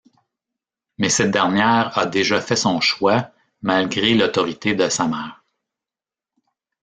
Mais cette dernière a déjà fait son choix malgré l'autorité de sa mère.